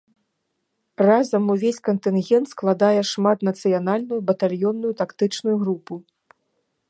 Разам увесь кантынгент складае шматнацыянальную батальённую тактычную групу.